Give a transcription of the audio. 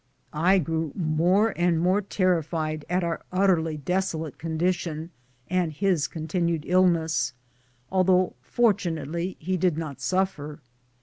I grew more and more terrified at our utterly desolate condition and his continued illness, though fortunately he did not suffer.